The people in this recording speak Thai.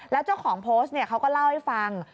แล้วเจ้าของโพสต์เขาก็เล่าให้ฟัง